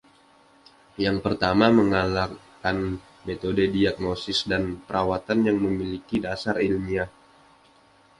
Yang pertama menggalakkan metode diagnosis dan perawatan yang memiliki dasar ilmiah.